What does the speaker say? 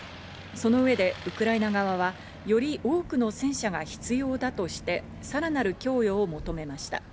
その上でウクライナ側はより多くの戦車が必要だとして、さらなる供与を求めました。